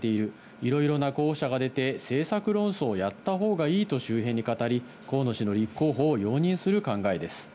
いろいろな候補者が出て、政策論争をやったほうがいいと周辺に語り、河野氏の立候補を容認する考えです。